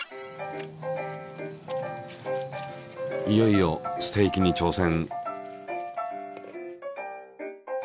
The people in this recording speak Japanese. いよいよステーキに挑戦！